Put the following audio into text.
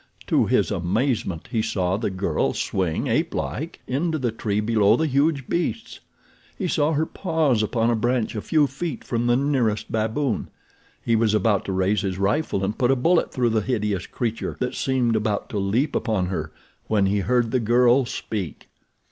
To his amazement he saw the girl swing, ape like, into the tree below the huge beasts. He saw her pause upon a branch a few feet from the nearest baboon. He was about to raise his rifle and put a bullet through the hideous creature that seemed about to leap upon her when he heard the girl speak.